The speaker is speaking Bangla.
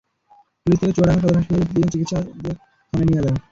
পুলিশ তাঁকে চুয়াডাঙ্গা সদর হাসপাতালে নিয়ে চিকিৎসা দিয়ে থানায় নিয়ে যায়।